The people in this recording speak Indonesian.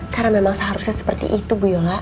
karena memang seharusnya seperti itu bu yola